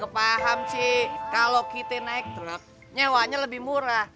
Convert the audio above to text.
paham sih kalau kita naik truk nyewanya lebih murah